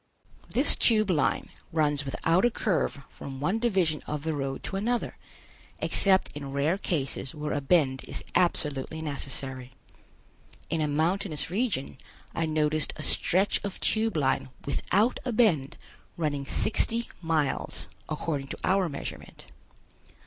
This Tube Line runs without a curve from one division of the road to another, except in rare cases where a bend is absolutely necessary. In a mountainous region I noticed a stretch of Tube Line without a bend running sixty miles, according to our measurement.